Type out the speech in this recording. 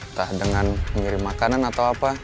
entah dengan mengirim makanan atau apa